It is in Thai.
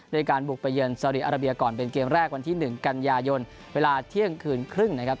การบุกไปเยือนซาดีอาราเบียก่อนเป็นเกมแรกวันที่๑กันยายนเวลาเที่ยงคืนครึ่งนะครับ